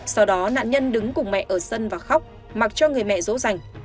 sau đó nạn nhân đứng cùng mẹ ở sân và khóc mặc cho người mẹ dỗ dành